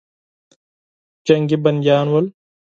جنګي بندیان ول.